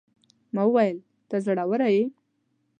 ما وويل: ته زړوره يې.